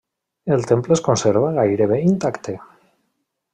El temple es conserva gairebé intacte.